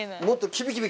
キビキビ！